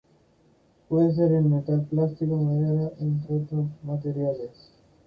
Pueden ser de metal, plástico o madera, entre otros materiales.